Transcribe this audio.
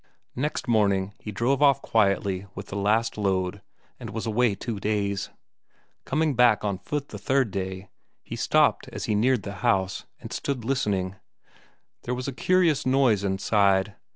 Next morning he drove off quietly with the last load, and was away two days. Coming back on foot the third day, he stopped as he neared the house, and stood listening. There was a curious noise inside....